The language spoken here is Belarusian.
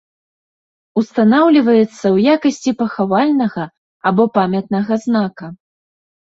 Устанаўліваецца ў якасці пахавальнага або памятнага знака.